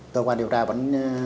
cơ quan điều tra vẫn